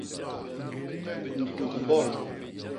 Ntuk bol.